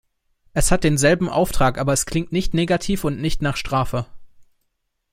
Es hat denselben Auftrag, aber es klingt nicht negativ und nicht nach Strafe.